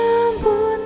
udah lo disitu aja